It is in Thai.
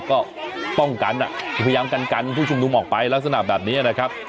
ก็ป้องกันพยายามกันผู้ชุมนุมออกไปลักษณะแบบนี้นะครับ